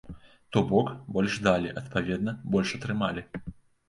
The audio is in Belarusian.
То бок, больш далі, адпаведна, больш атрымалі.